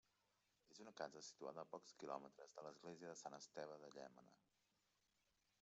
És una casa situada a pocs quilòmetres de l'església de Sant Esteve de Llémena.